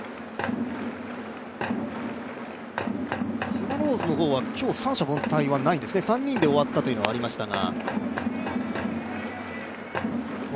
スワローズの方は今日は三者凡退はないんですね、３人で終わったというのはありましたが。